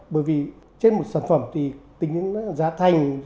bởi vì trên một sản phẩm thì tính đến giá thành